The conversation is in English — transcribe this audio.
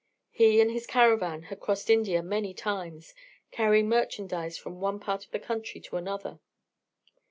He and his caravan had crossed India many times, carrying merchandise from one part of the country to another.